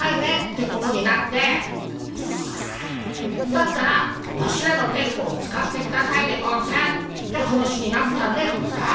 だったらワシらのテントを使ってくださいでゴンスって話になったんでゴンス。